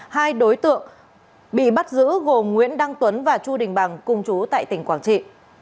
hai đối tượng bị bắt giữ gồm nguyễn đăng tuấn và chu đình bằng cùng chú tại tỉnh quảng trị